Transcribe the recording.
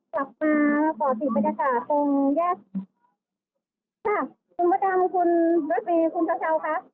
กลับมาป่อติดบรรยากาศตรงแยกคุณพระจำคุณรถดีคุณเช้าเช้าค่ะ